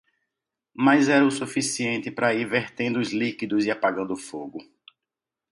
Mas era o suficiente para ir vertendo os líquidos e apagando o fogo.